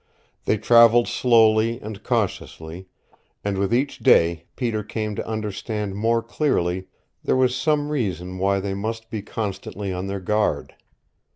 They traveled slowly and cautiously, and with each day Peter came to understand more clearly there was some reason why they must be constantly on their guard.